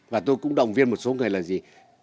và tôi cũng động viên một số người là gì